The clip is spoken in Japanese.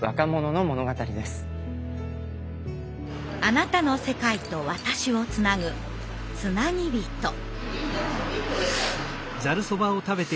あなたの世界と私をつなぐつなぎびと。